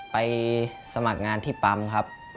ไปสมัครงานที่ปั๊มครับ